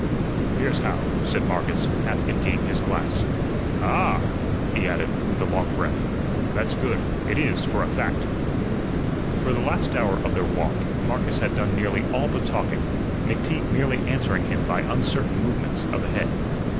"Here's how," said Marcus, half emptying his glass. "Ah h!" he added, with a long breath, "that's good; it is, for a fact." For the last hour of their walk Marcus had done nearly all the talking. McTeague merely answering him by uncertain movements of the head.